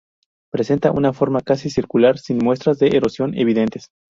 Presenta una forma casi circular, sin muestras de erosión evidentes.